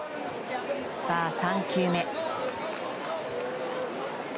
さあ、３球目。